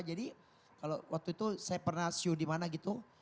jadi kalau waktu itu saya pernah show dimana gitu